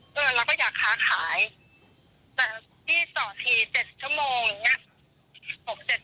แล้วมันก็อยากถ้าขายพี่สอบที๗ชั่วโมงอย่างเงี้ย